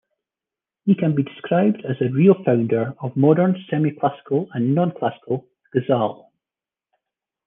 He can be described as the real founder of modern semi-classical and non-classical ghazal.